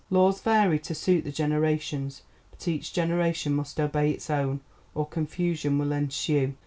Laws vary to suit the generations, but each generation must obey its own, or confusion will ensue.